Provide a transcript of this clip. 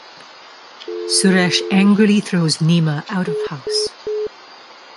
Suresh angrily throws Nima out of house.